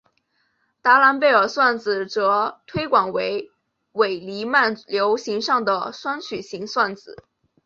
达朗贝尔算子则推广为伪黎曼流形上的双曲型算子。